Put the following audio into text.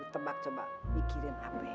tebak coba mikirin apa ya